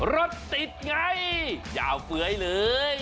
รถติดไงยาวเฟ้ยเลย